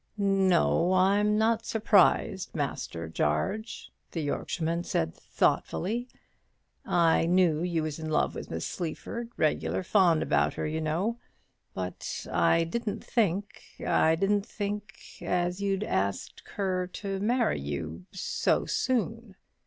"No; I'm not surprised, Master Jarge," the Yorkshireman said, thoughtfully. "I knew you was in love with Miss Sleaford, regular fond about her, you know; but I didn't think I didn't think as you'd ask her to marry you so soon."